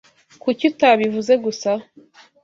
Kuki utabivuze gusa?